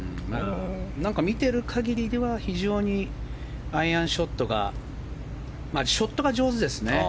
見ている限りでは非常にアイアンショットがショットが上手ですね。